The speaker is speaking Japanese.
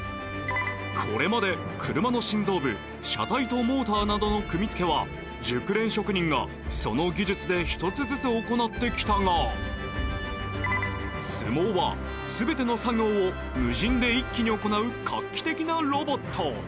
これまで、車の心臓部、車体とモーターなどの組み付けは熟練職人がその技術で１つずつ行ってきたが、ＳＵＭＯは全ての作業を無人で一気に行う画期的なロボット。